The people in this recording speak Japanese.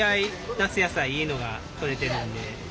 夏野菜いいのが採れてるんで。